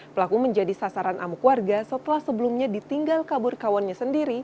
pelaku menjadi sasaran amuk warga setelah sebelumnya ditinggal kabur kawannya sendiri